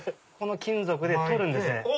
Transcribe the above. この金属で取るんですね。